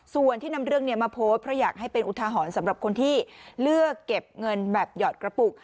ส่วนที่นำเรื่องนี้มาโพสต์เพราะอยากให้เป็นอุทาหรณ์สำหรับคนที่เลือกเก็บเงินแบบหยอดกระปุก